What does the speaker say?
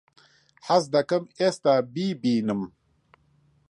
حەز دەکەم ئێستا بیبینم.